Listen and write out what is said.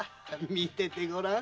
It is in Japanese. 見ててごらん。